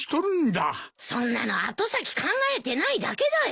そんなの後先考えてないだけだよ。